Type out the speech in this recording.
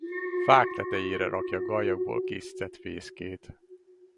Fák tetejére rakja gallyakból készített fészkét.